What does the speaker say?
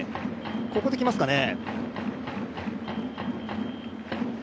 ここできますかね？